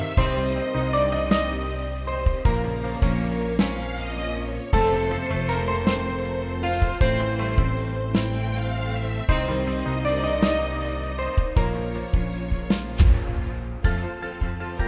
dengan kata yang tak sempat diucapkan